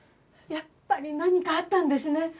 やっぱり何かあったんですね？